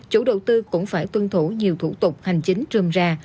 chủ đầu tư cũng phải tuân thủ nhiều thủ tục hành chính dườm ra